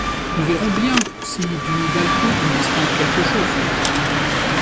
Nous verrons bien si, du balcon, on distingue quelque chose.